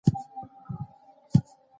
د ټونس پېښه يوه روښانه بېلګه وه.